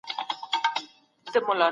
داستاني څېړنه تر نورو څېړنو ډېر کار غواړي.